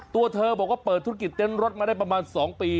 ตัวเธอบอกว่าเปิดธุรกิจเต้นรถมาได้ประมาณ๒ปี